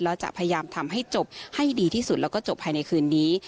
แล้วจะพยายามทำให้จบให้ดีที่สุดแล้วก็จบภายในคืนนี้